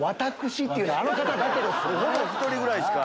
ほぼ１人ぐらいしか。